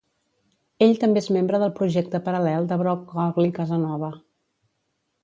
Ell també és membre del projecte paral·lel de Brock Ugly Casanova.